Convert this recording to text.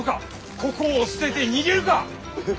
ここを捨てて逃げるか。